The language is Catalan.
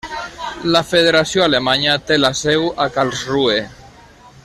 La Federació alemanya té la seu a Karlsruhe.